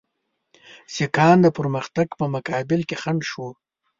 سیکهان د پرمختګ په مقابل کې خنډ شو.